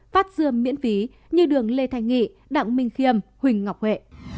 phát dươm miễn phí như đường lê thanh nghị đặng minh khiêm huỳnh ngọc huệ